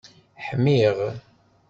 Ḥmiɣ.